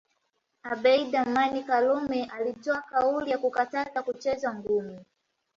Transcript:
Abeid Aman Karume alitoa kauli ya kukataza kuchezwa ngumi